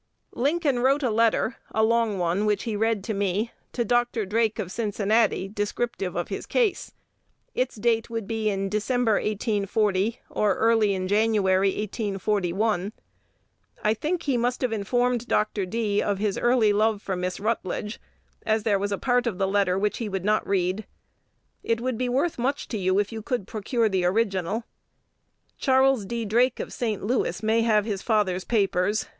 Lincoln wrote a letter (a long one, which he read to me) to Dr. Drake, of Cincinnati, descriptive of his case. Its date would be in December, 1840, or early in January, 1841. I think that he must have informed Dr. D. of his early love for Miss Rutledge, as there was a part of the letter which he would not read. It would be worth much to you, if you could procure the original. Charles D. Drake, of St. Louis, may have his father's papers.